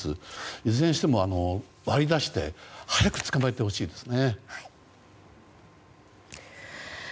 いずれにしても、割り出して早く捕まえてほしいですね。